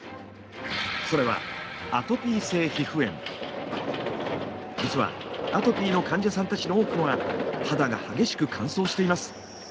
それは実はアトピーの患者さんたちの多くは肌が激しく乾燥しています。